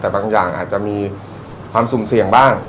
แต่บางอย่างอาจจะมีความสุ่มเสี่ยงบ้าง